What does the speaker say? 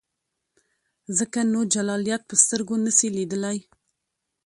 ځکه نو جلالیت په سترګو نسې لیدلای.